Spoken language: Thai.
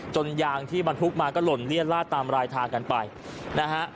ยางที่บรรทุกมาก็หล่นเลี่ยนลาดตามรายทางกันไปนะฮะ